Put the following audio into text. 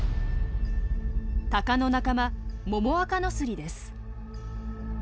タカの仲間モモアカノスリです。